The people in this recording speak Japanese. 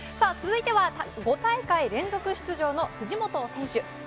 続いては５大会連続出場の藤本選手。